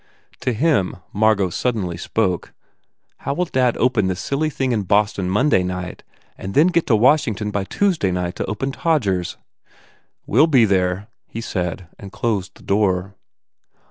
To him Margot suddenly spoke, "How will dad open this silly thing in Boston, Monday night and get to Washington by Tuesday night to open Todgers ?" "We ll be there," he said and closed the door.